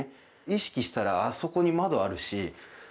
意識したらあそこに窓あるし。